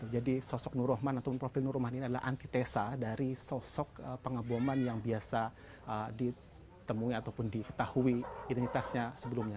jadi sosok nur rohman atau profil nur rohman ini adalah antitesa dari sosok pengeboman yang biasa ditemui ataupun diketahui identitasnya sebelumnya